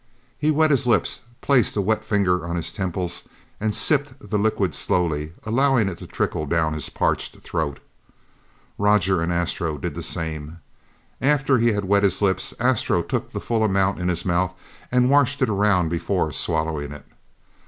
He wet his lips, placed a wet finger on his temples and sipped the liquid slowly, allowing it to trickle down his parched throat. Roger and Astro did the same. After he had wet his lips, Astro took the full amount in his mouth and washed it around, before swallowing it.